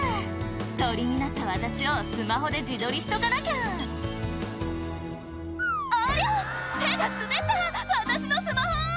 「鳥になった私をスマホで自撮りしとかなきゃ」「ありゃ手が滑った私のスマホ！」